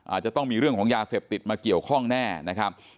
อาจจะต้องมีเรื่องของยาเสพติดมาเกี่ยวข้องแน่นะครับ